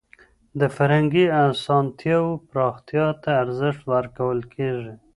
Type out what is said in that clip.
د فرهنګي اسانتياوو پراختيا ته ارزښت ورکول کيږي.